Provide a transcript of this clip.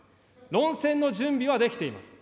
論戦の準備は出来ています。